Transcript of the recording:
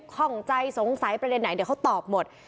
ข้องใจสงสัยประเด็นไหนเดี๋ยวเขาตอบหมด